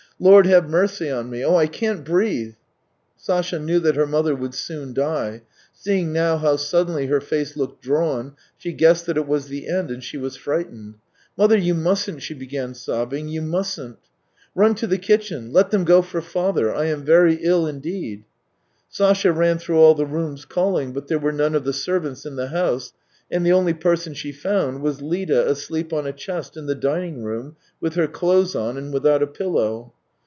" Lord, have mercy on me ! Oh. I can't breathe !" I " 16 242 THE TALES OF TCHEHOV Sasha knew that her mother would soon die; seeing now how suddenly her face looked drawn, she guessed that it was the end, and she was frightened. " Mother, you mustn't !" she began sobbing, " You musn't." " Run to the kitchen; let them go for father. I am very ill indeed." Sasha ran through all the rooms calling, but there were none of the servants in the house, and the only person she found was Lida asleep on a chest in the dining room with her clothes on and without a pillow.